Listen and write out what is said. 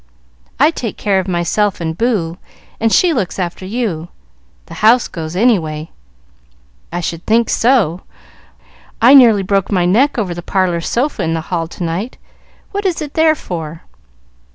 "I take care of myself and Boo, and she looks after you. The house goes any way." "I should think so! I nearly broke my neck over the parlor sofa in the hall to night. What is it there for?"